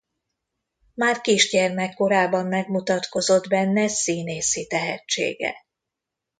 Már kisgyermekkorában megmutatkozott benne színészi tehetsége.